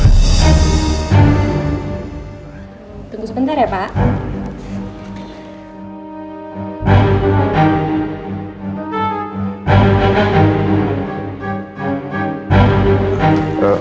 tunggu sebentar ya pak